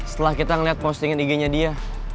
setelah kita ngeliat postingan ig nya dia